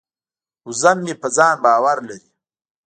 وزه مې په ځان باور لري.